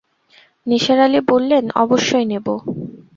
নিসার আলি বললেন, অবশ্যই নেব।